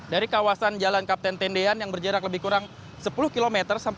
dari kawasan jalan kapten tendean yang berjarak lebih kurang sepuluh km